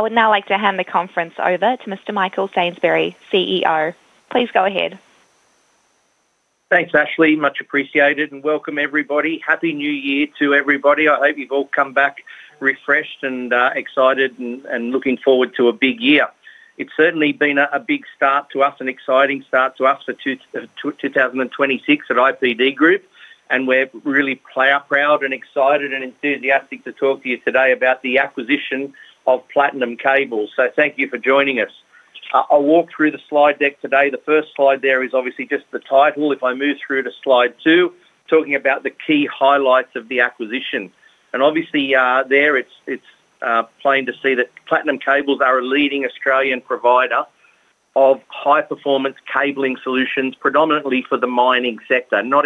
I would now like to hand the conference over to Mr. Michael Sainsbury, CEO. Please go ahead. Thanks, Ashley. Much appreciated. Welcome, everybody. Happy New Year to everybody. I hope you've all come back refreshed and excited and looking forward to a big year. It's certainly been a big start to us, an exciting start to us for 2026 at IPD Group, and we're really proud and excited and enthusiastic to talk to you today about the acquisition of Platinum Cables. So thank you for joining us. I'll walk through the slide deck today. The first slide there is obviously just the title. If I move through to slide two, talking about the key highlights of the acquisition, and obviously there, it's plain to see that Platinum Cables are a leading Australian provider of high-performance cabling solutions, predominantly for the mining sector. Not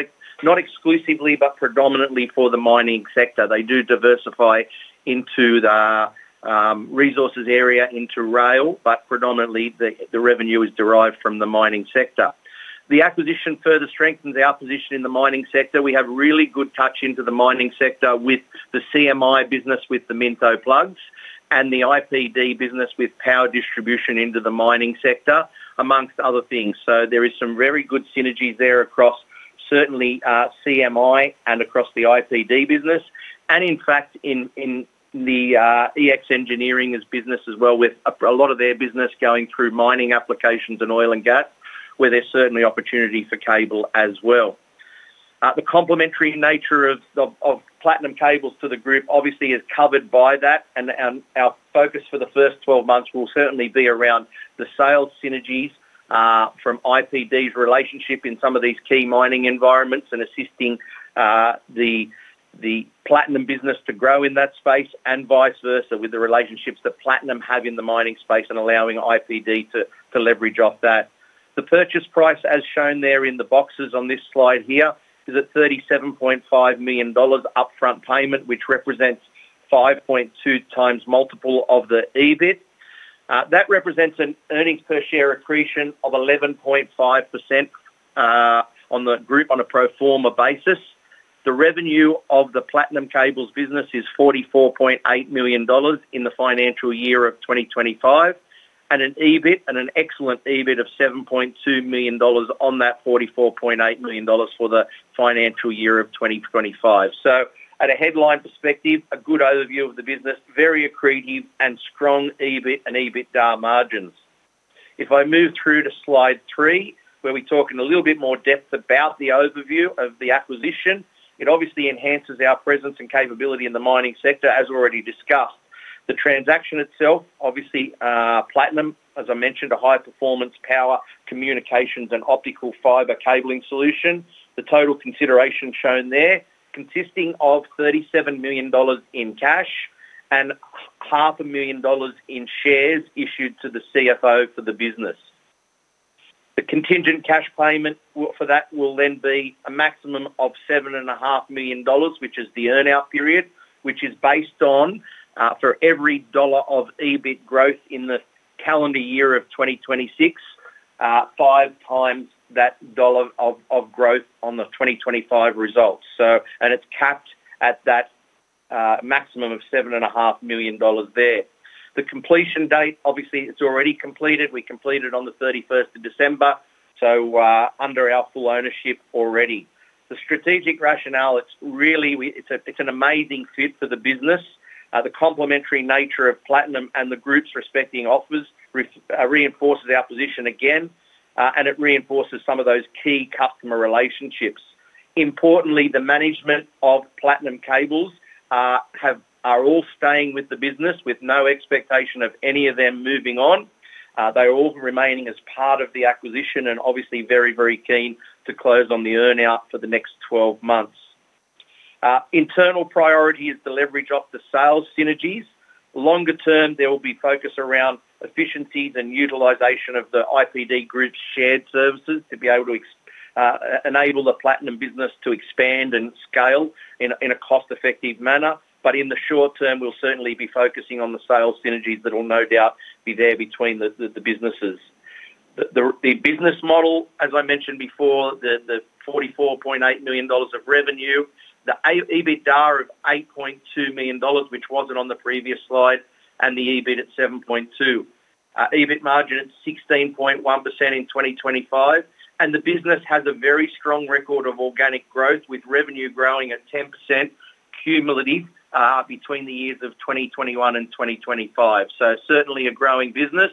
exclusively, but predominantly for the mining sector. They do diversify into the resources area, into rail, but predominantly the revenue is derived from the mining sector. The acquisition further strengthens our position in the mining sector. We have really good touch into the mining sector with the CMI business with the Minto plugs and the IPD business with power distribution into the mining sector, amongst other things. So there is some very good synergy there across certainly CMI and across the IPD business. And in fact, in the EX Engineering business as well, with a lot of their business going through mining applications and oil and gas, where there's certainly opportunity for cable as well. The complementary nature of Platinum Cables to the group obviously is covered by that, and our focus for the first 12 months will certainly be around the sales synergies from IPD's relationship in some of these key mining environments and assisting the Platinum business to grow in that space and vice versa with the relationships that Platinum have in the mining space and allowing IPD to leverage off that. The purchase price, as shown there in the boxes on this slide here, is at 37.5 million dollars upfront payment, which represents 5.2x multiple of the EBIT. That represents an earnings per share accretion of 11.5% on the group on a pro forma basis. The revenue of the Platinum Cables business is 44.8 million dollars in the financial year of 2025, and an EBIT, an excellent EBIT of 7.2 million dollars on that 44.8 million dollars for the financial year of 2025. At a headline perspective, a good overview of the business, very accretive and strong EBIT and EBITDA margins. If I move through to slide three, where we talk in a little bit more depth about the overview of the acquisition, it obviously enhances our presence and capability in the mining sector, as already discussed. The transaction itself, obviously Platinum, as I mentioned, a high-performance power, communications and optical fiber cabling solution. The total consideration shown there consisting of 37 million dollars in cash and 500,000 dollars in shares issued to the CFO for the business. The contingent cash payment for that will then be a maximum of 7.5 million dollars, which is the earnout period, which is based on for every dollar of EBIT growth in the calendar year of 2026, five times that dollar of growth on the 2025 results. It's capped at that maximum of 7.5 million dollars there. The completion date, obviously, it's already completed. We completed on the 31st of December, so under our full ownership already. The strategic rationale, it's really an amazing fit for the business. The complementary nature of Platinum and the group's existing offers reinforces our position again, and it reinforces some of those key customer relationships. Importantly, the management of Platinum Cables are all staying with the business with no expectation of any of them moving on. They are all remaining as part of the acquisition and obviously very, very keen to close on the earnout for the next 12 months. Internal priority is the leverage of the sales synergies. Longer term, there will be focus around efficiencies and utilization of the IPD Group's shared services to be able to enable the Platinum business to expand and scale in a cost-effective manner. But in the short term, we'll certainly be focusing on the sales synergies that will no doubt be there between the businesses. The business model, as I mentioned before, the 44.8 million dollars of revenue, the EBITDA of 8.2 million dollars, which wasn't on the previous slide, and the EBIT at 7.2 million. EBIT margin at 16.1% in 2025. And the business has a very strong record of organic growth with revenue growing at 10% cumulative between the years of 2021 and 2025. So certainly a growing business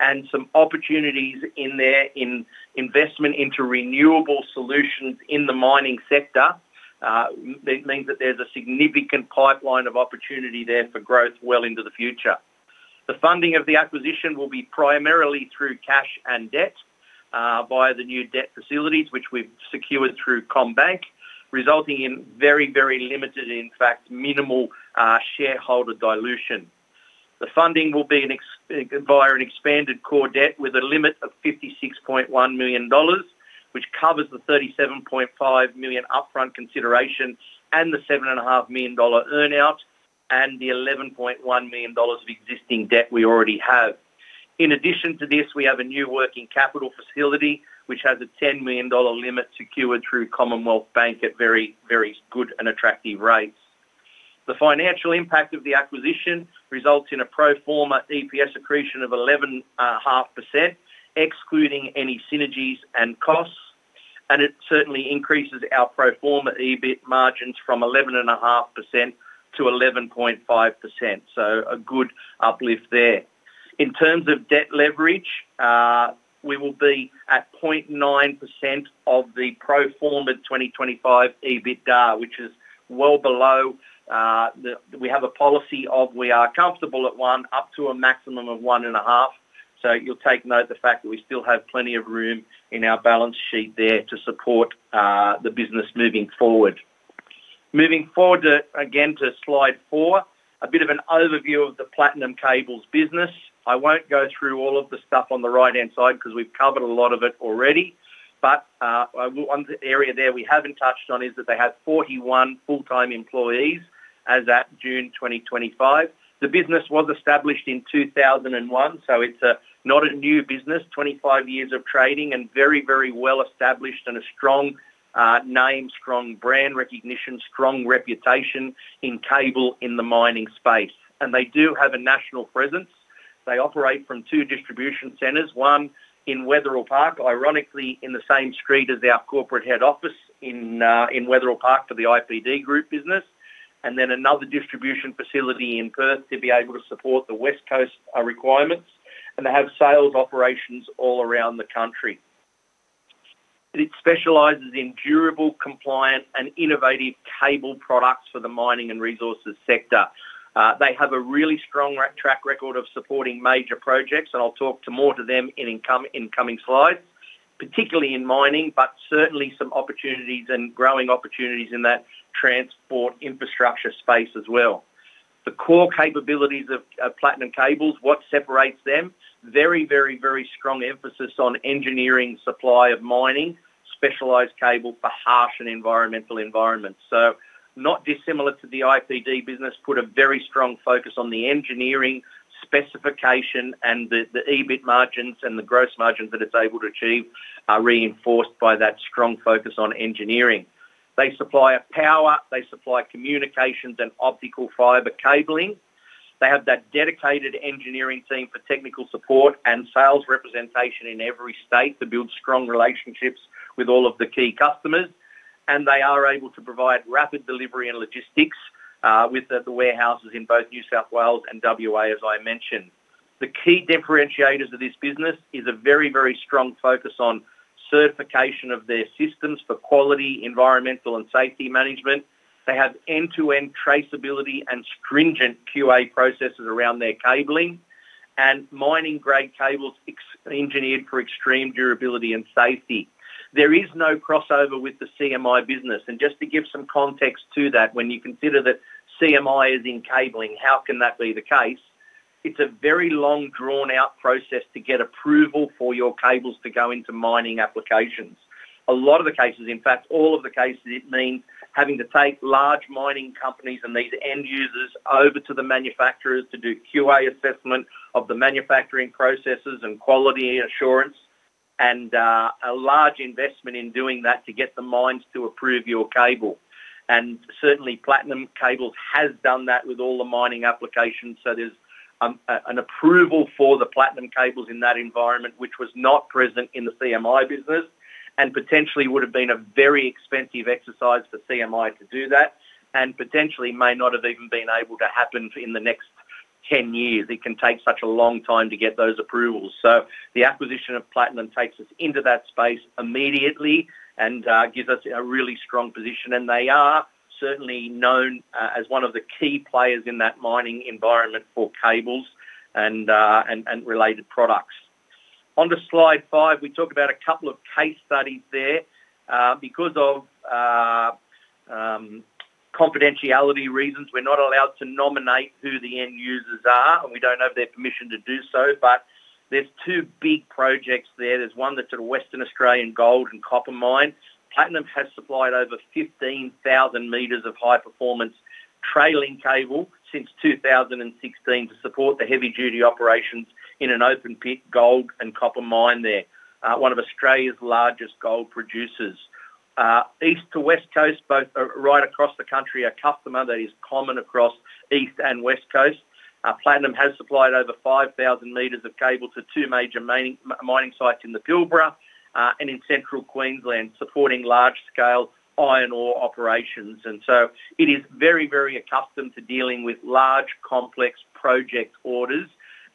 and some opportunities in there in investment into renewable solutions in the mining sector. It means that there's a significant pipeline of opportunity there for growth well into the future. The funding of the acquisition will be primarily through cash and debt via the new debt facilities, which we've secured through CommBank, resulting in very, very limited, in fact, minimal shareholder dilution. The funding will be via an expanded core debt with a limit of 56.1 million dollars, which covers the 37.5 million upfront consideration and the 7.5 million dollar earnout and the 11.1 million dollars of existing debt we already have. In addition to this, we have a new working capital facility, which has a 10 million dollar limit secured through Commonwealth Bank at very, very good and attractive rates. The financial impact of the acquisition results in a pro forma EPS accretion of 11.5%, excluding any synergies and costs. And it certainly increases our pro forma EBIT margins from 11.5% to 11.5%. So a good uplift there. In terms of debt leverage, we will be at 0.9% of the pro forma 2025 EBITDA, which is well below. We have a policy of we are comfortable at one, up to a maximum of one and a half. So you'll take note of the fact that we still have plenty of room in our balance sheet there to support the business moving forward. Moving forward again to slide four, a bit of an overview of the Platinum Cables business. I won't go through all of the stuff on the right-hand side because we've covered a lot of it already. But one area there we haven't touched on is that they have 41 full-time employees as of June 2025. The business was established in 2001, so it's not a new business, 25 years of trading and very, very well established and a strong name, strong brand recognition, strong reputation in cable in the mining space. And they do have a national presence. They operate from two distribution centers, one in Wetherill Park, ironically in the same street as our corporate head office in Wetherill Park for the IPD Group business, and then another distribution facility in Perth to be able to support the West Coast requirements, and they have sales operations all around the country. It specializes in durable, compliant, and innovative cable products for the mining and resources sector. They have a really strong track record of supporting major projects, and I'll talk more to them in incoming slides, particularly in mining, but certainly some opportunities and growing opportunities in that transport infrastructure space as well. The core capabilities of Platinum Cables, what separates them? Very, very, very strong emphasis on engineering supply of mining, specialized cable for harsh and environmental environments. So, not dissimilar to the IPD business, put a very strong focus on the engineering specification and the EBIT margins and the gross margins that it's able to achieve are reinforced by that strong focus on engineering. They supply power. They supply communications and optical fiber cabling. They have that dedicated engineering team for technical support and sales representation in every state to build strong relationships with all of the key customers. And they are able to provide rapid delivery and logistics with the warehouses in both New South Wales and WA, as I mentioned. The key differentiators of this business are a very, very strong focus on certification of their systems for quality, environmental, and safety management. They have end-to-end traceability and stringent QA processes around their cabling and mining-grade cables engineered for extreme durability and safety. There is no crossover with the CMI business. Just to give some context to that, when you consider that CMI is in cabling, how can that be the case? It's a very long, drawn-out process to get approval for your cables to go into mining applications. A lot of the cases, in fact, all of the cases, it means having to take large mining companies and these end users over to the manufacturers to do QA assessment of the manufacturing processes and quality assurance and a large investment in doing that to get the mines to approve your cable. And certainly, Platinum Cables has done that with all the mining applications. So there's an approval for the Platinum Cables in that environment, which was not present in the CMI business and potentially would have been a very expensive exercise for CMI to do that and potentially may not have even been able to happen in the next 10 years. It can take such a long time to get those approvals, so the acquisition of Platinum takes us into that space immediately and gives us a really strong position, and they are certainly known as one of the key players in that mining environment for cables and related products. On to slide five, we talk about a couple of case studies there. Because of confidentiality reasons, we're not allowed to nominate who the end users are, and we don't have their permission to do so, but there's two big projects there. There's one that's at a Western Australian gold and copper mine. Platinum has supplied over 15,000 meters of high-performance trailing cable since 2016 to support the heavy-duty operations in an open-pit gold and copper mine there, one of Australia's largest gold producers. East to West Coast, both right across the country, a customer that is common across East and West Coast. Platinum has supplied over 5,000 meters of cable to two major mining sites in the Pilbara and in Central Queensland, supporting large-scale iron ore operations. And so it is very, very accustomed to dealing with large, complex project orders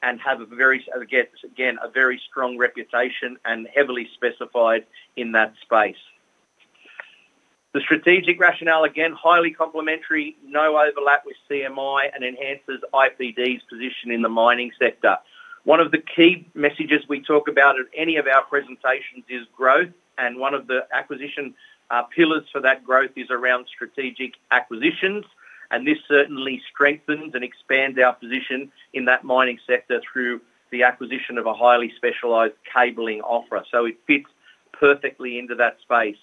and has, again, a very strong reputation and heavily specified in that space. The strategic rationale, again, highly complementary, no overlap with CMI and enhances IPD's position in the mining sector. One of the key messages we talk about in any of our presentations is growth, and one of the acquisition pillars for that growth is around strategic acquisitions. And this certainly strengthens and expands our position in that mining sector through the acquisition of a highly specialized cabling offer. So it fits perfectly into that space.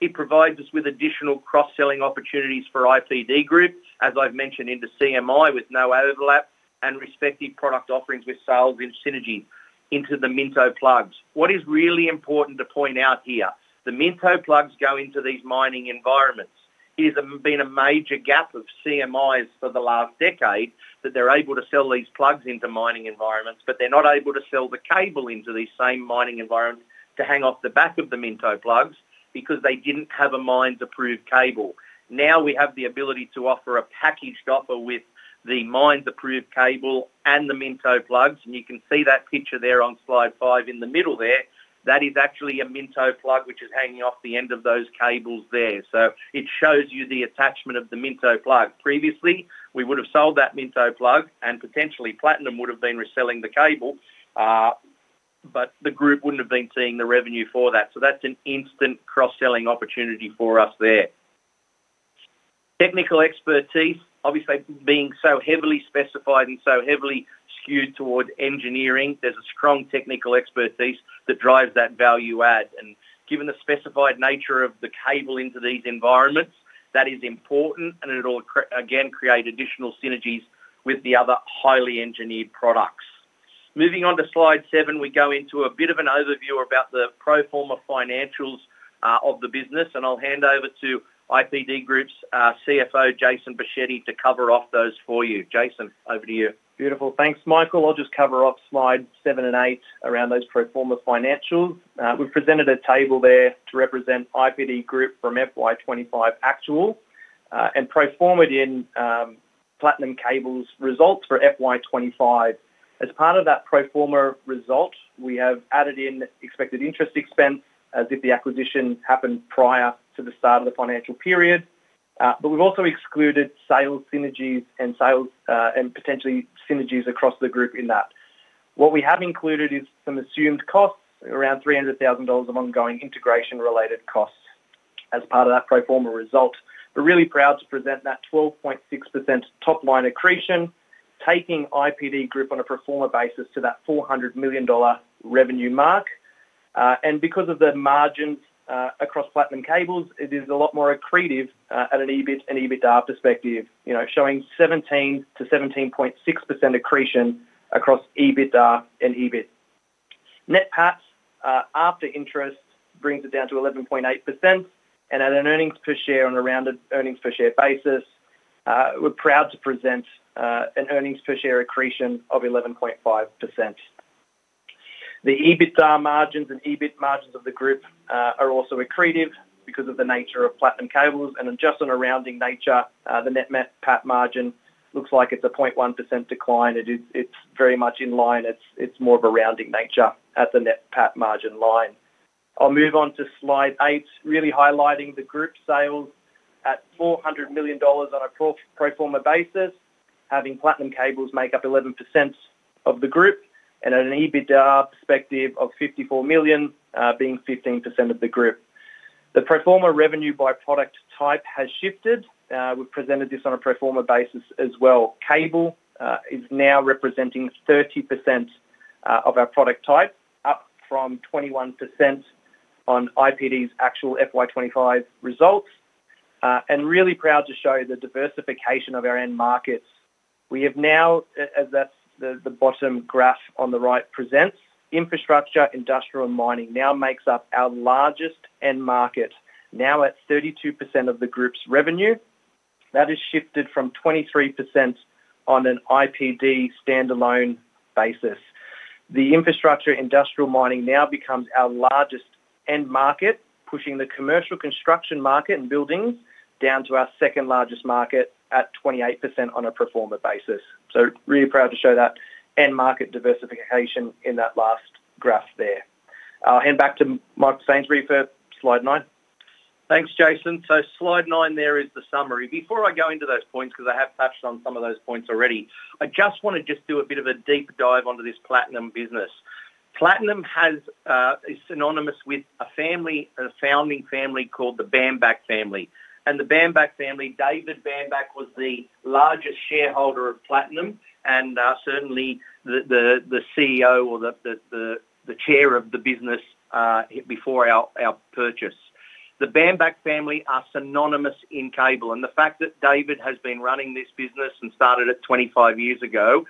It provides us with additional cross-selling opportunities for IPD Group, as I've mentioned, into CMI with no overlap and respective product offerings with sales and synergy into the Minto plugs. What is really important to point out here? The Minto plugs go into these mining environments. It has been a major gap of CMIs for the last decade that they're able to sell these plugs into mining environments, but they're not able to sell the cable into these same mining environments to hang off the back of the Minto plugs because they didn't have a mines-approved cable. Now we have the ability to offer a packaged offer with the mines-approved cable and the Minto plugs. And you can see that picture there on slide five in the middle there. That is actually a Minto plug, which is hanging off the end of those cables there. So it shows you the attachment of the Minto plug. Previously, we would have sold that Minto plug, and potentially Platinum would have been reselling the cable, but the group wouldn't have been seeing the revenue for that. So that's an instant cross-selling opportunity for us there. Technical expertise, obviously being so heavily specified and so heavily skewed towards engineering, there's a strong technical expertise that drives that value add. And given the specified nature of the cable into these environments, that is important, and it will, again, create additional synergies with the other highly engineered products. Moving on to slide seven, we go into a bit of an overview about the pro forma financials of the business, and I'll hand over to IPD Group's CFO, Jason Boschetti, to cover off those for you. Jason, over to you. Beautiful. Thanks, Michael. I'll just cover off slide seven and eight around those pro forma financials. We've presented a table there to represent IPD Group from FY 2025 actual and pro forma in Platinum Cables results for FY 2025. As part of that pro forma result, we have added in expected interest expense as if the acquisition happened prior to the start of the financial period. But we've also excluded sales synergies and potentially synergies across the group in that. What we have included is some assumed costs, around 300,000 dollars of ongoing integration-related costs as part of that pro forma result. We're really proud to present that 12.6% top-line accretion, taking IPD Group on a pro forma basis to that 400 million dollar revenue mark. And because of the margins across Platinum Cables, it is a lot more accretive at an EBIT and EBITDA perspective, showing 17%-17.6% accretion across EBITDA and EBIT. Net PAT after interest brings it down to 11.8%. And at an earnings per share and around an earnings per share basis, we're proud to present an earnings per share accretion of 11.5%. The EBITDA margins and EBIT margins of the group are also accretive because of the nature of Platinum Cables. And just on a rounding nature, the net PAT margin looks like it's a 0.1% decline. It's very much in line. It's more of a rounding nature at the net PAT margin line. I'll move on to slide eight, really highlighting the group sales at 400 million dollars on a pro forma basis, having Platinum Cables make up 11% of the group and at an EBITDA perspective of 54 million, being 15% of the group. The pro forma revenue by product type has shifted. We've presented this on a pro forma basis as well. Cable is now representing 30% of our product type, up from 21% on IPD's actual FY 2025 results, and really proud to show the diversification of our end markets. We have now, as the bottom graph on the right presents, Infrastructure, Industrial, Mining now makes up our largest end market, now at 32% of the group's revenue. That has shifted from 23% on an IPD standalone basis. The Infrastructure, Industrial, Mining now becomes our largest end market, pushing the Commercial Construction market and buildings down to our second largest market at 28% on a pro forma basis. So really proud to show that end market diversification in that last graph there. I'll hand back to Michael Sainsbury for slide nine. Thanks, Jason. So slide nine there is the summary. Before I go into those points, because I have touched on some of those points already, I just want to just do a bit of a deep dive onto this Platinum business. Platinum is synonymous with a founding family called the Bambach family. And the Bambach family, David Bambach, was the largest shareholder of Platinum and certainly the CEO or the Chair of the business before our purchase. The Bambach family are synonymous in cable. And the fact that David has been running this business and started it 25 years ago,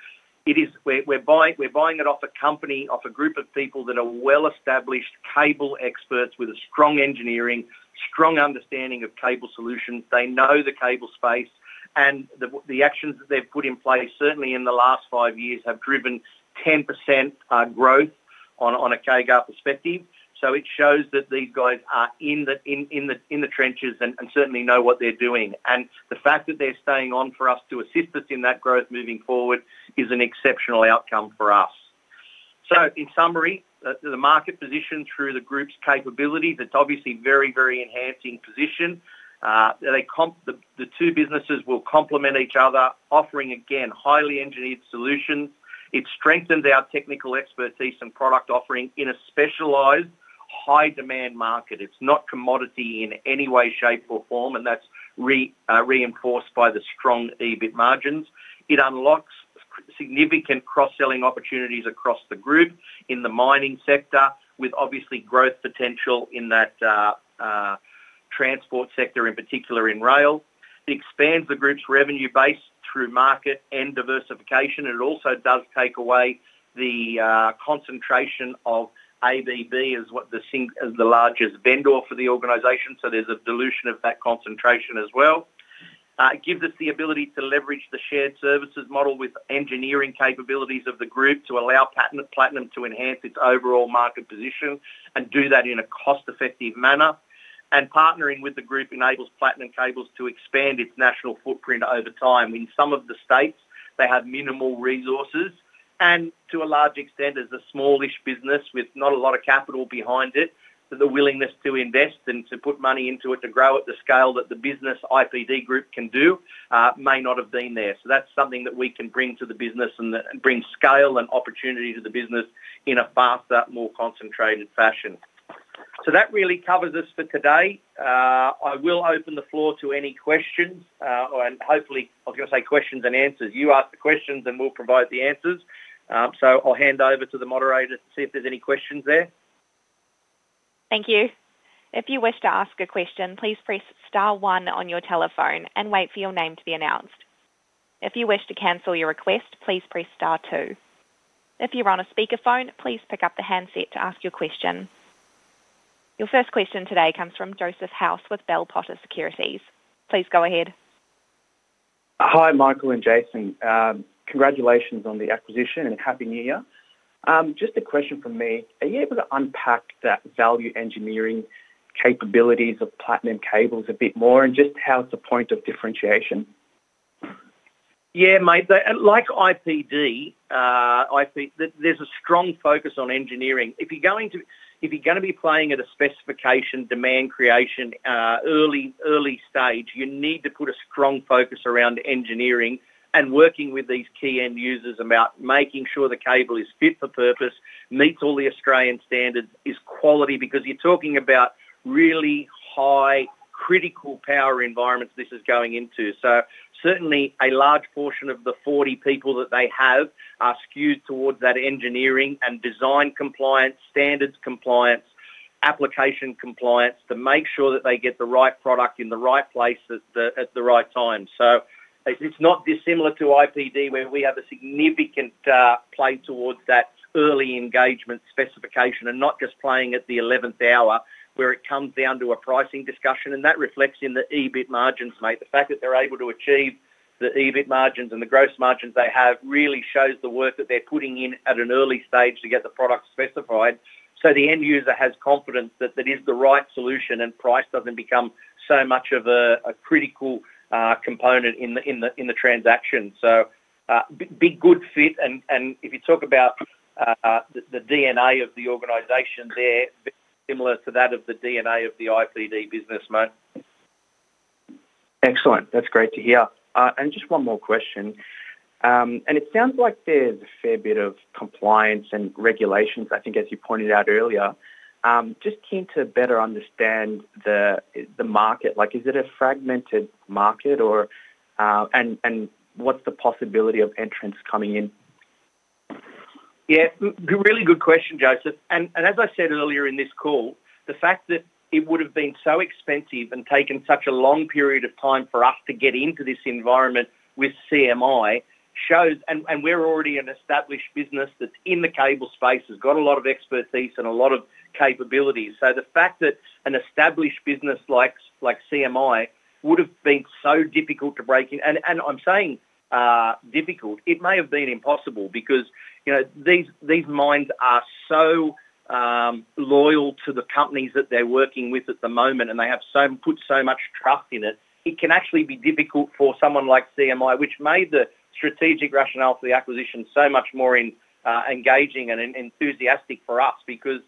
we're buying it off a company, off a group of people that are well-established cable experts with a strong engineering, strong understanding of cable solutions. They know the cable space, and the actions that they've put in place, certainly in the last five years, have driven 10% growth on a CAGR perspective. So it shows that these guys are in the trenches and certainly know what they're doing. And the fact that they're staying on for us to assist us in that growth moving forward is an exceptional outcome for us. So in summary, the market position through the group's capability, that's obviously a very, very enhancing position. The two businesses will complement each other, offering, again, highly engineered solutions. It strengthens our technical expertise and product offering in a specialized, high-demand market. It's not commodity in any way, shape, or form, and that's reinforced by the strong EBIT margins. It unlocks significant cross-selling opportunities across the group in the mining sector, with obvious growth potential in that transport sector, in particular in rail. It expands the group's revenue base through market and diversification. It also does take away the concentration of ABB as the largest vendor for the organization. So there's a dilution of that concentration as well. It gives us the ability to leverage the shared services model with engineering capabilities of the group to allow Platinum to enhance its overall market position and do that in a cost-effective manner. And partnering with the group enables Platinum Cables to expand its national footprint over time. In some of the states, they have minimal resources. And to a large extent, as a smallish business with not a lot of capital behind it, the willingness to invest and to put money into it to grow at the scale that the business IPD Group can do may not have been there. So that's something that we can bring to the business and bring scale and opportunity to the business in a faster, more concentrated fashion. So that really covers us for today. I will open the floor to any questions. Hopefully, I was going to say questions and answers. You ask the questions, and we'll provide the answers. So I'll hand over to the moderator to see if there's any questions there. Thank you. If you wish to ask a question, please press star one on your telephone and wait for your name to be announced. If you wish to cancel your request, please press star two. If you're on a speakerphone, please pick up the handset to ask your question. Your first question today comes from Joseph House with Bell Potter Securities. Please go ahead. Hi, Michael and Jason. Congratulations on the acquisition and happy new year. Just a question from me. Are you able to unpack that value engineering capabilities of Platinum Cables a bit more and just how it's a point of differentiation? Yeah, mate. Like IPD, there's a strong focus on engineering. If you're going to be playing at a specification demand creation early stage, you need to put a strong focus around engineering and working with these key end users about making sure the cable is fit for purpose, meets all the Australian standards, is quality. Because you're talking about really high critical power environments this is going into. So certainly, a large portion of the 40 people that they have are skewed towards that engineering and design compliance, standards compliance, application compliance to make sure that they get the right product in the right place at the right time. So it's not dissimilar to IPD, where we have a significant play towards that early engagement specification and not just playing at the 11th hour, where it comes down to a pricing discussion. And that reflects in the EBIT margins, mate. The fact that they're able to achieve the EBIT margins and the gross margins they have really shows the work that they're putting in at an early stage to get the product specified. So the end user has confidence that it is the right solution and price doesn't become so much of a critical component in the transaction. So big good fit. If you talk about the DNA of the organization, they're similar to that of the DNA of the IPD business, mate. Excellent. That's great to hear. Just one more question. It sounds like there's a fair bit of compliance and regulations, I think, as you pointed out earlier. Just keen to better understand the market. Is it a fragmented market? What's the possibility of entrants coming in? Yeah. Really good question, Joseph. As I said earlier in this call, the fact that it would have been so expensive and taken such a long period of time for us to get into this environment with CMI shows, and we're already an established business that's in the cable space, has got a lot of expertise and a lot of capabilities. The fact that an established business like CMI would have been so difficult to break in. And I'm saying difficult, it may have been impossible because these mines are so loyal to the companies that they're working with at the moment, and they have put so much trust in it. It can actually be difficult for someone like CMI, which made the strategic rationale for the acquisition so much more engaging and enthusiastic for us, because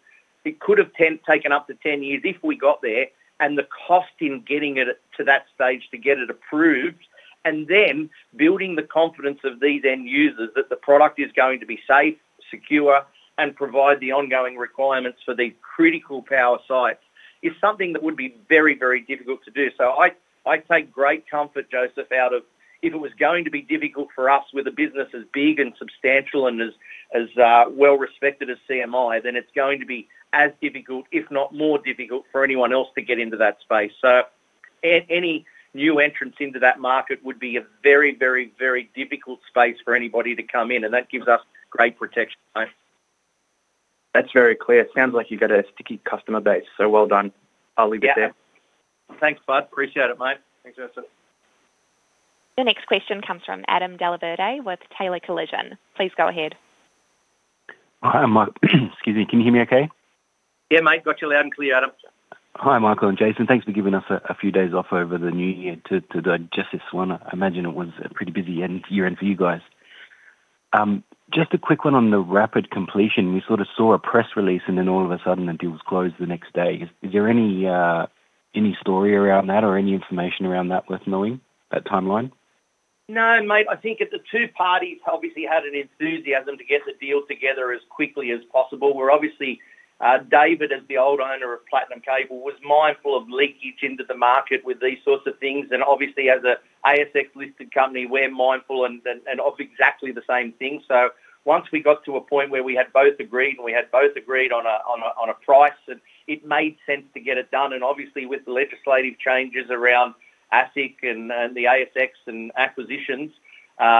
it could have taken up to 10 years if we got there and the cost in getting it to that stage to get it approved, and then building the confidence of these end users that the product is going to be safe, secure, and provide the ongoing requirements for the critical power sites is something that would be very, very difficult to do. So I take great comfort, Joseph, out of if it was going to be difficult for us with a business as big and substantial and as well-respected as CMI, then it's going to be as difficult, if not more difficult, for anyone else to get into that space. So any new entrants into that market would be a very, very, very difficult space for anybody to come in. And that gives us great protection, mate. That's very clear. Sounds like you've got a sticky customer base. So well done. I'll leave it there. Yeah. Thanks, bud. Appreciate it, mate. Thanks, Joseph. The next question comes from Adam Dellaverde with Taylor Collison. Please go ahead. Hi, Michael. Excuse me. Can you hear me okay? Yeah, mate. Got you loud and clear, Adam. Hi, Michael and Jason. Thanks for giving us a few days off over the New Year to digest this one. I imagine it was a pretty busy year-end for you guys. Just a quick one on the rapid completion. We sort of saw a press release, and then all of a sudden, the deal was closed the next day. Is there any story around that or any information around that worth knowing, that timeline? No, mate. I think that the two parties obviously had an enthusiasm to get the deal together as quickly as possible. We were obviously. David, as the old owner of Platinum Cables, was mindful of leakage into the market with these sorts of things, and obviously, as an ASX-listed company, we're mindful of exactly the same thing. So once we got to a point where we had both agreed and we had both agreed on a price, it made sense to get it done. And obviously, with the legislative changes around ASIC and the ASX and acquisitions,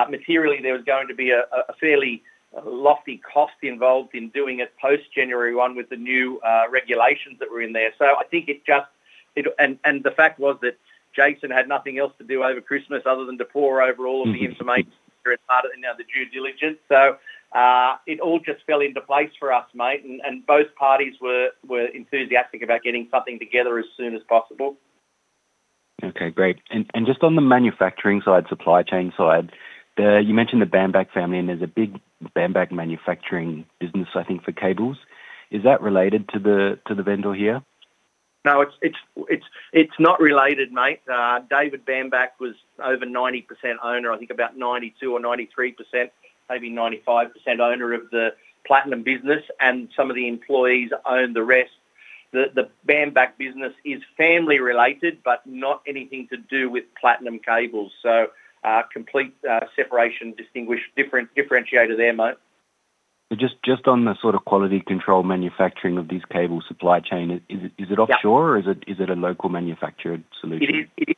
materially, there was going to be a fairly lofty cost involved in doing it post-January 1 with the new regulations that were in there. So I think it just, and the fact was that Jason had nothing else to do over Christmas other than to pore over all of the information and the due diligence. So it all just fell into place for us, mate. And both parties were enthusiastic about getting something together as soon as possible. Okay. Great. And just on the manufacturing side, supply chain side, you mentioned the Bambach family, and there's a big Bambach manufacturing business, I think, for cables. Is that related to the vendor here? No, it's not related, mate. David Bambach was over 90% owner, I think about 92 or 93%, maybe 95% owner of the Platinum business, and some of the employees own the rest. The Bambach business is family-related, but not anything to do with Platinum Cables. So complete separation, distinguished, differentiator there, mate. Just on the sort of quality control manufacturing of these cables supply chain, is it offshore or is it a local manufactured solution? It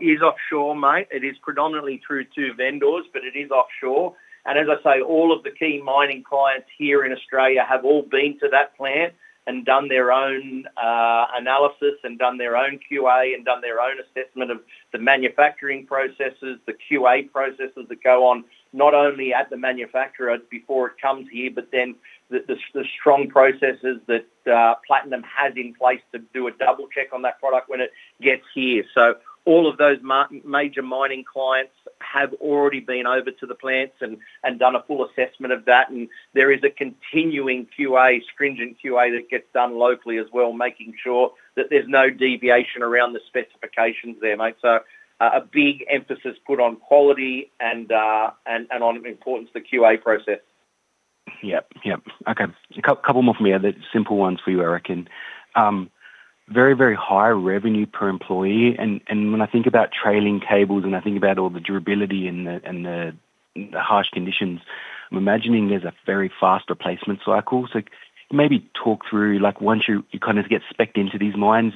is offshore, mate. It is predominantly through two vendors, but it is offshore. And as I say, all of the key mining clients here in Australia have all been to that plant and done their own analysis and done their own QA and done their own assessment of the manufacturing processes, the QA processes that go on not only at the manufacturer before it comes here, but then the strong processes that Platinum has in place to do a double-check on that product when it gets here. So all of those major mining clients have already been over to the plants and done a full assessment of that. And there is a continuing QA, stringent QA that gets done locally as well, making sure that there's no deviation around the specifications there, mate. So a big emphasis put on quality and on the importance of the QA process. Yep. Yep. Okay. A couple more from me, the simple ones for you, I reckon. Very, very high revenue per employee. And when I think about trailing cables and I think about all the durability and the harsh conditions, I'm imagining there's a very fast replacement cycle. So maybe talk through once you kind of get spec'd into these mines,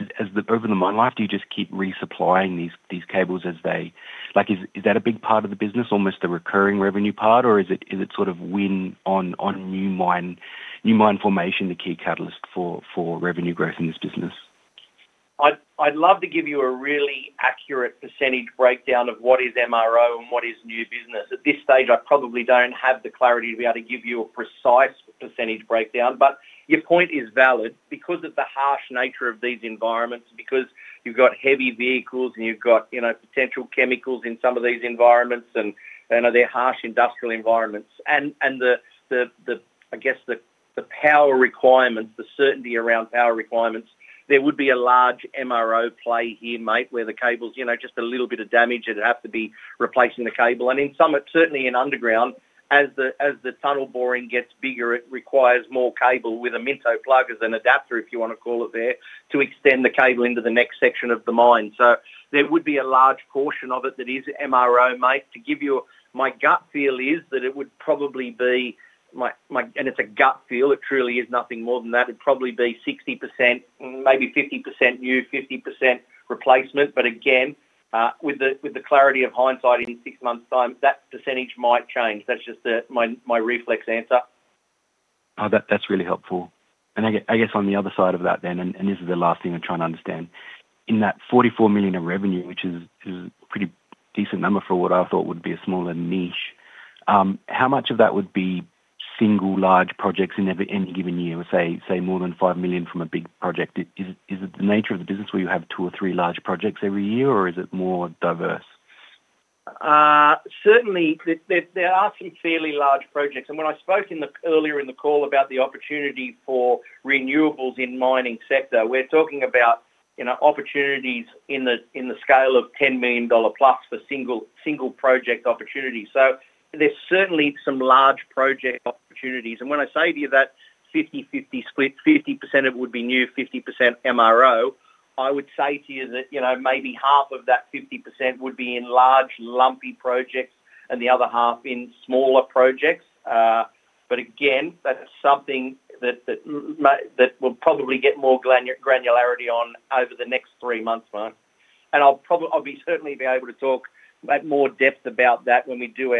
over the mine life, do you just keep resupplying these cables as they, is that a big part of the business, almost the recurring revenue part, or is it sort of win on new mine formation the key catalyst for revenue growth in this business? I'd love to give you a really accurate percentage breakdown of what is MRO and what is new business. At this stage, I probably don't have the clarity to be able to give you a precise percentage breakdown. But your point is valid because of the harsh nature of these environments, because you've got heavy vehicles and you've got potential chemicals in some of these environments, and they're harsh industrial environments. And I guess the power requirements, the certainty around power requirements, there would be a large MRO play here, mate, where the cables, just a little bit of damage, it'd have to be replacing the cable. And in some, certainly in underground, as the tunnel boring gets bigger, it requires more cable with a Minto plug as an adapter, if you want to call it there, to extend the cable into the next section of the mine. So there would be a large portion of it that is MRO, mate. To give you my gut feel is that it would probably be and it's a gut feel. It truly is nothing more than that. It'd probably be 60%, maybe 50% new, 50% replacement. But again, with the clarity of hindsight in six months' time, that percentage might change. That's just my reflex answer. That's really helpful. And I guess on the other side of that then, and this is the last thing I'm trying to understand, in that 44 million of revenue, which is a pretty decent number for what I thought would be a smaller niche, how much of that would be single large projects in any given year, say more than 5 million from a big project? Is it the nature of the business where you have two or three large projects every year, or is it more diverse? Certainly, there are some fairly large projects. When I spoke earlier in the call about the opportunity for renewables in mining sector, we're talking about opportunities in the scale of 10 million dollar plus for single project opportunity. So there's certainly some large project opportunities. When I say to you that 50/50 split, 50% of it would be new, 50% MRO, I would say to you that maybe half of that 50% would be in large, lumpy projects and the other half in smaller projects. But again, that's something that we'll probably get more granularity on over the next three months, mate. I'll certainly be able to talk at more depth about that when we do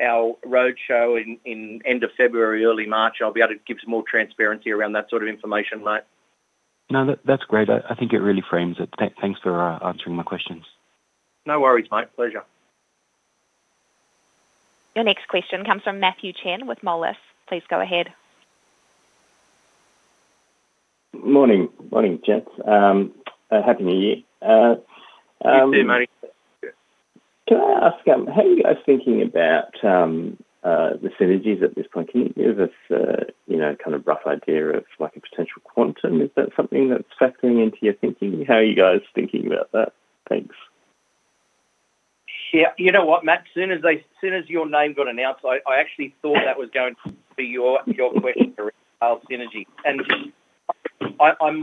our roadshow in end of February, early March. I'll be able to give some more transparency around that sort of information, mate. No, that's great. I think it really frames it. Thanks for answering my questions. No worries, mate. Pleasure. Your next question comes from Matthew Chen with Moelis. Please go ahead. Morning. Morning, Matt. Happy new year. You too, mate. Can I ask, how are you guys thinking about the synergies at this point? Can you give us a kind of rough idea of a potential quantum? Is that something that's factoring into your thinking? How are you guys thinking about that? Thanks. Yeah. You know what, Matt? As soon as your name got announced, I actually thought that was going to be your question to really detail synergy. And I'm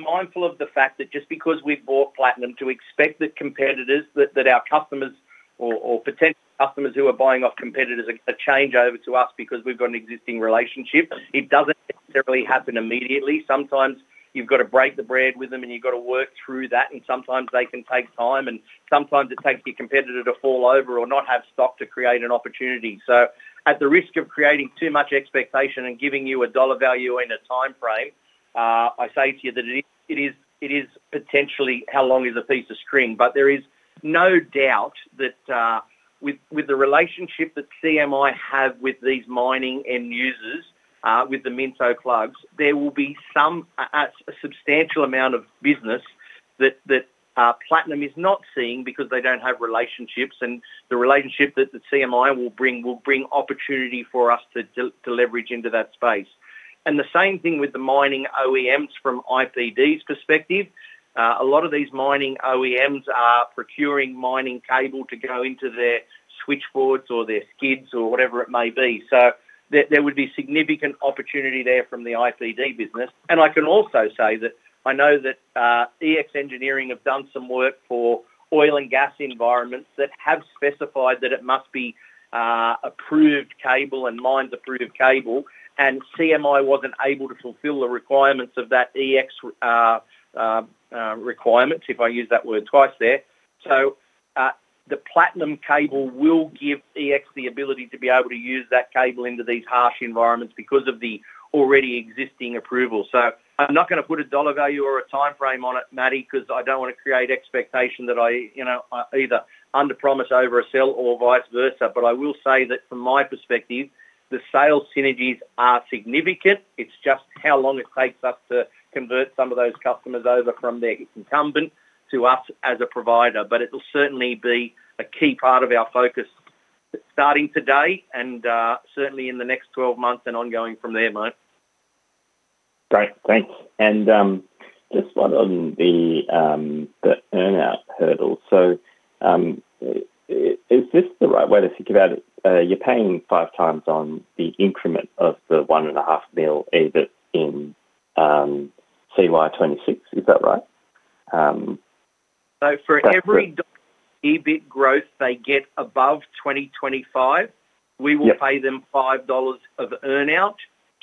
mindful of the fact that just because we bought Platinum, to expect that competitors, that our customers or potential customers who are buying off competitors are going to change over to us because we've got an existing relationship, it doesn't necessarily happen immediately. Sometimes you've got to break the bread with them, and you've got to work through that. And sometimes they can take time, and sometimes it takes your competitor to fall over or not have stock to create an opportunity. So at the risk of creating too much expectation and giving you a dollar value in a time frame, I say to you that it is potentially how long is a piece of string. But there is no doubt that with the relationship that CMI have with these mining end users, with the Minto plugs, there will be some substantial amount of business that Platinum is not seeing because they don't have relationships. And the relationship that CMI will bring will bring opportunity for us to leverage into that space. And the same thing with the mining OEMs from IPD's perspective. A lot of these mining OEMs are procuring mining cable to go into their switchboards or their skids or whatever it may be. So there would be significant opportunity there from the IPD business. And I can also say that I know that EX Engineering have done some work for oil and gas environments that have specified that it must be approved cable and mines approved cable. And CMI wasn't able to fulfill the requirements of that EX requirement, if I use that word twice there. So the Platinum cable will give EX the ability to be able to use that cable into these harsh environments because of the already existing approval. So I'm not going to put a dollar value or a time frame on it, Matty, because I don't want to create expectation that I either under-promise or oversell or vice versa. But I will say that from my perspective, the sales synergies are significant. It's just how long it takes us to convert some of those customers over from their incumbent to us as a provider. But it will certainly be a key part of our focus starting today and certainly in the next 12 months and ongoing from there, mate. Great. Thanks. And just on the earnout hurdle. So is this the right way to think about it? You're paying five times on the increment of the 1.5 million EBIT in CY 2026. Is that right? So for every dollar EBIT growth they get above 2025, we will pay them 5 dollars of earnout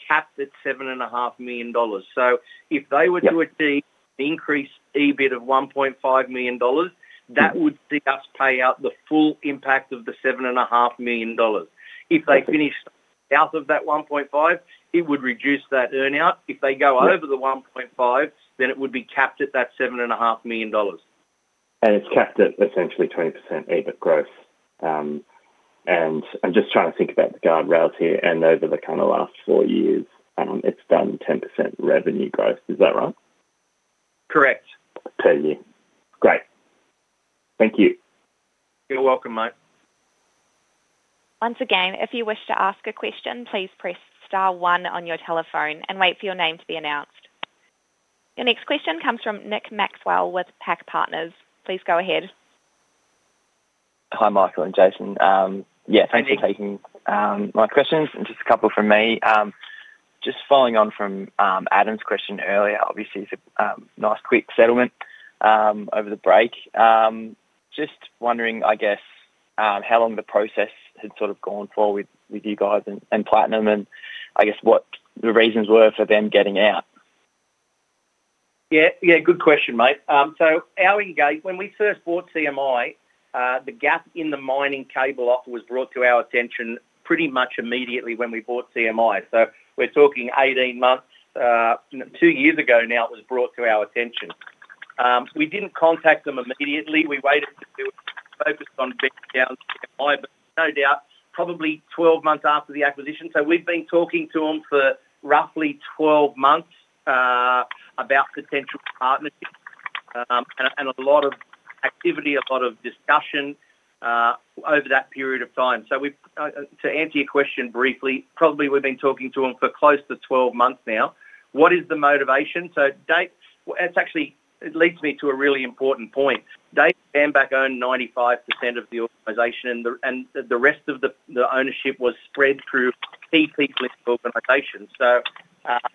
capped at 7.5 million dollars. So if they were to achieve an increased EBIT of 1.5 million dollars, that would see us pay out the full impact of the 7.5 million dollars. If they finish south of that 1.5 million, it would reduce that earnout. If they go over the 1.5 million, then it would be capped at that 7.5 million dollars. And it's capped at essentially 20% EBIT growth. And I'm just trying to think about the guardrails here. And over the kind of last four years, it's done 10% revenue growth. Is that right? Correct. Per year. Great. Thank you. You're welcome, mate. Once again, if you wish to ask a question, please press star one on your telephone and wait for your name to be announced. Your next question comes from Nick Maxwell with PAC Partners. Please go ahead. Hi, Michael and Jason. Yeah, thanks for taking my questions and just a couple from me. Just following on from Adam's question earlier, obviously, it's a nice quick settlement over the break. Just wondering, I guess, how long the process had sort of gone forward with you guys and Platinum and I guess what the reasons were for them getting out. Yeah. Yeah. Good question, mate. So when we first bought CMI, the gap in the mining cable offer was brought to our attention pretty much immediately when we bought CMI. So we're talking 18 months. Two years ago now, it was brought to our attention. We didn't contact them immediately. We waited to do it. We focused on getting down to CMI, but no doubt probably 12 months after the acquisition. So we've been talking to them for roughly 12 months about potential partnerships and a lot of activity, a lot of discussion over that period of time. So to answer your question briefly, probably we've been talking to them for close to 12 months now. What is the motivation? It leads me to a really important point. David Bambach owned 95% of the organization, and the rest of the ownership was spread through key people in the organization.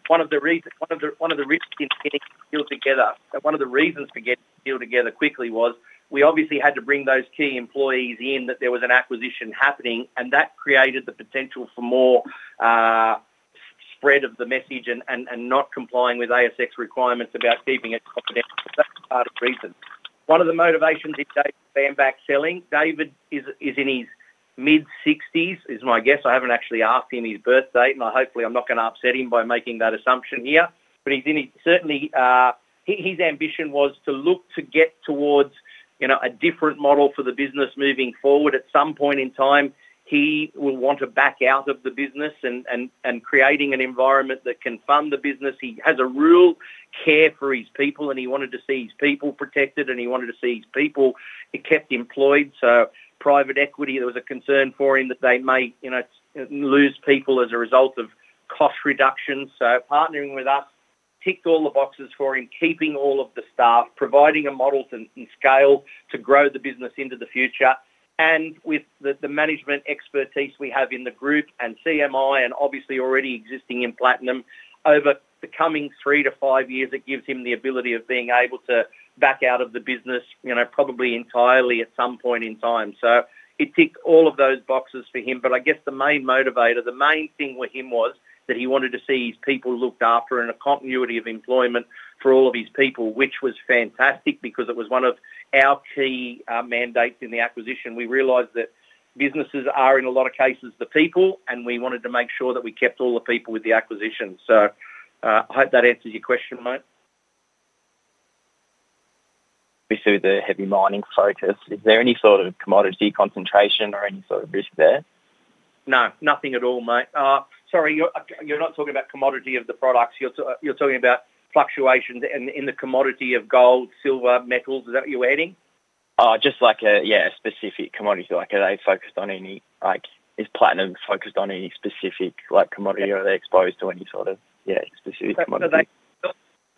One of the reasons we got the key people together, one of the reasons for getting the people together quickly was we obviously had to bring those key employees in that there was an acquisition happening, and that created the potential for more spread of the message and not complying with ASX requirements about keeping it confidential. That's part of the reason. One of the motivations is David Bambach selling. David is in his mid-60s, is my guess. I haven't actually asked him his birthdate, and hopefully, I'm not going to upset him by making that assumption here. But certainly, his ambition was to look to get towards a different model for the business moving forward. At some point in time, he will want to back out of the business and create an environment that can fund the business. He has a real care for his people, and he wanted to see his people protected, and he wanted to see his people kept employed. So private equity, there was a concern for him that they may lose people as a result of cost reductions. So partnering with us ticked all the boxes for him, keeping all of the staff, providing a model and scale to grow the business into the future. And with the management expertise we have in the group and CMI and obviously already existing in Platinum, over the coming three to five years, it gives him the ability of being able to back out of the business probably entirely at some point in time. So it ticked all of those boxes for him. But I guess the main motivator, the main thing with him was that he wanted to see his people looked after in a continuity of employment for all of his people, which was fantastic because it was one of our key mandates in the acquisition. We realized that businesses are, in a lot of cases, the people, and we wanted to make sure that we kept all the people with the acquisition. So I hope that answers your question, mate. We see the heavy mining focus. Is there any sort of commodity concentration or any sort of risk there? No, nothing at all, mate. Sorry, you're not talking about commodity of the products. You're talking about fluctuations in the commodity of gold, silver, metals. Is that what you're asking? Just like, yeah, a specific commodity. Are they focused on any? Is Platinum focused on any specific commodity, or are they exposed to any sort of, yeah, specific commodity?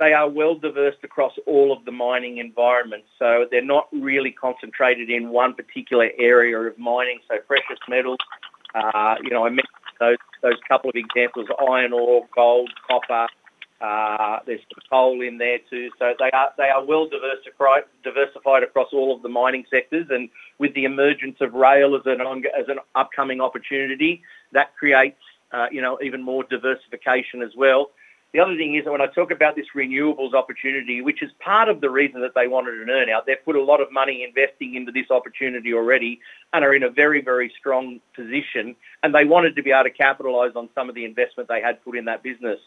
They are well diverse across all of the mining environments. So they're not really concentrated in one particular area of mining. So precious metals, I mentioned those couple of examples: iron ore, gold, copper. There's coal in there too. So they are well diversified across all of the mining sectors. And with the emergence of rail as an upcoming opportunity, that creates even more diversification as well. The other thing is, when I talk about this renewables opportunity, which is part of the reason that they wanted an earnout, they've put a lot of money investing into this opportunity already and are in a very, very strong position. And they wanted to be able to capitalize on some of the investment they had put in that business.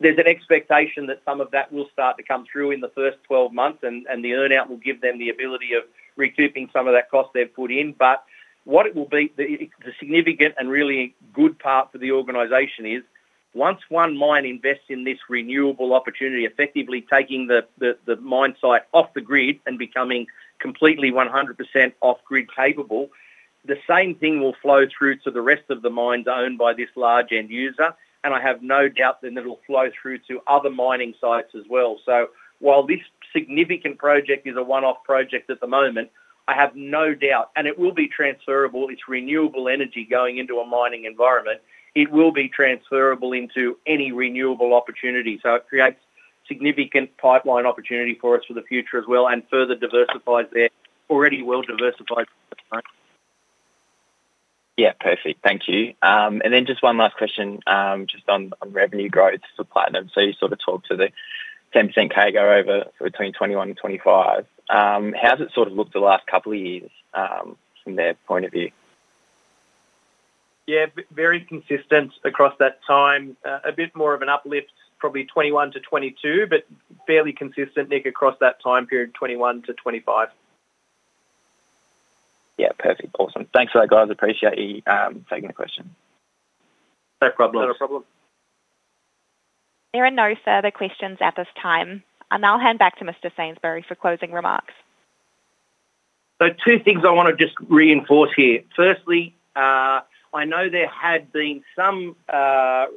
There's an expectation that some of that will start to come through in the first 12 months, and the earnout will give them the ability of recouping some of that cost they've put in. But what it will be, the significant and really good part for the organization is, once one mine invests in this renewable opportunity, effectively taking the mine site off the grid and becoming completely 100% off-grid capable, the same thing will flow through to the rest of the mines owned by this large end user. And I have no doubt then that it'll flow through to other mining sites as well. So while this significant project is a one-off project at the moment, I have no doubt, and it will be transferable. It's renewable energy going into a mining environment. It will be transferable into any renewable opportunity. So it creates significant pipeline opportunity for us for the future as well and further diversifies their already well-diversified. Yeah. Perfect. Thank you. And then just one last question just on revenue growth for Platinum. So you sort of talked to the 10% CAGR over between 21 and 25. How's it sort of looked the last couple of years from their point of view? Yeah. Very consistent across that time. A bit more of an uplift, probably 21 to 22, but fairly consistent, Nick, across that time period, 21 to 25. Yeah. Perfect. Awesome. Thanks for that, guys. Appreciate you taking the question. No problem. Not a problem. There are no further questions at this time. And I'll hand back to Mr. Sainsbury for closing remarks. So two things I want to just reinforce here. Firstly, I know there had been some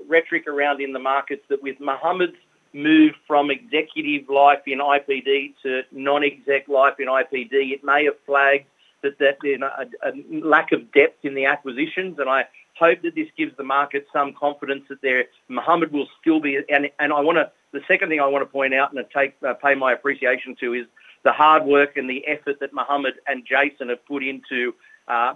rhetoric around in the markets that with Mohamed's move from executive life in IPD to non-exec life in IPD, it may have flagged that there's a lack of depth in the acquisitions. And I hope that this gives the market some confidence that Mohamed will still be, and the second thing I want to point out and pay my appreciation to is the hard work and the effort that Mohamed and Jason have put into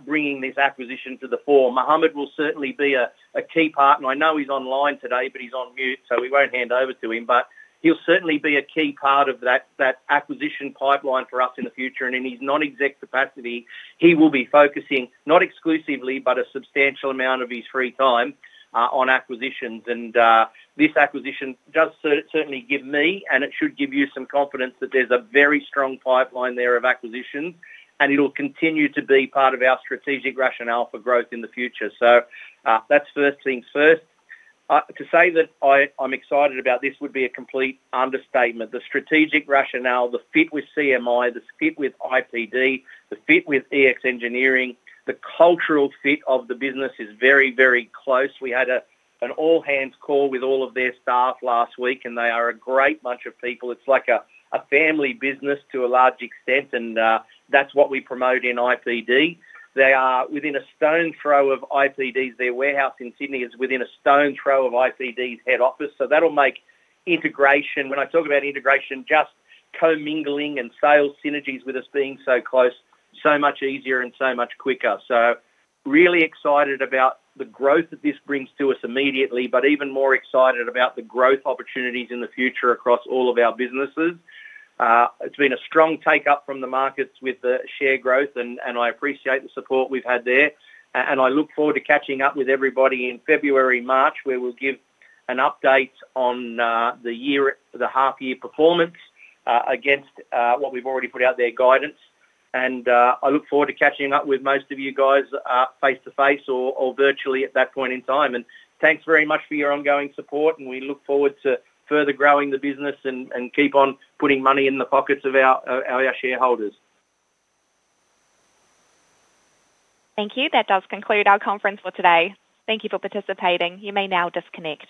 bringing this acquisition to the fore. Mohamed will certainly be a key partner. I know he's online today, but he's on mute, so we won't hand over to him. But he'll certainly be a key part of that acquisition pipeline for us in the future. And in his non-exec capacity, he will be focusing not exclusively, but a substantial amount of his free time on acquisitions. This acquisition does certainly give me, and it should give you some confidence that there's a very strong pipeline there of acquisitions, and it'll continue to be part of our strategic rationale for growth in the future. That's first things first. To say that I'm excited about this would be a complete understatement. The strategic rationale, the fit with CMI, the fit with IPD, the fit with EX Engineering, the cultural fit of the business is very, very close. We had an all-hands call with all of their staff last week, and they are a great bunch of people. It's like a family business to a large extent, and that's what we promote in IPD. They are within a stone's throw of IPD's. Their warehouse in Sydney is within a stone's throw of IPD's head office. So that'll make integration, when I talk about integration, just co-mingling and sales synergies with us being so close, so much easier and so much quicker. So really excited about the growth that this brings to us immediately, but even more excited about the growth opportunities in the future across all of our businesses. It's been a strong take-up from the markets with the share growth, and I appreciate the support we've had there. And I look forward to catching up with everybody in February, March, where we'll give an update on the half-year performance against what we've already put out there guidance. And I look forward to catching up with most of you guys face-to-face or virtually at that point in time. And thanks very much for your ongoing support, and we look forward to further growing the business and keep on putting money in the pockets of our shareholders. Thank you. That does conclude our conference for today. Thank you for participating. You may now disconnect.